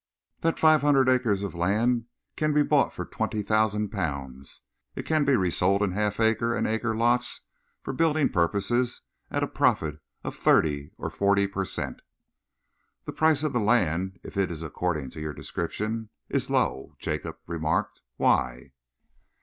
That five hundred acres of land can be bought for twenty thousand pounds. It can be resold in half acre and acre lots for building purposes at a profit of thirty or forty per cent." "The price of the land, if it is according to your description, is low," Jacob remarked. "Why?"